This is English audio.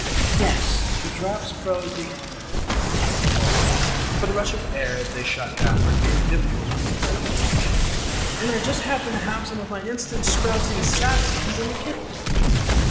"Yes, the drops froze the air," the Wizard bawled back, for the rush of air as they shot downward made it difficult to hold polite conversation, "And I just happened to have some of my instant sprouting saplings in that kit bag."